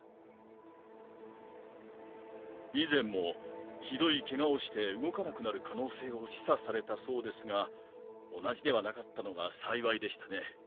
以前も酷い怪我をして動かなくなる可能性を示唆されたそうですが同じではなかったのが幸いでしたね。